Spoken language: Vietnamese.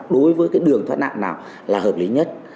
đối với cái đường thoát nạn nào là hợp lý nhất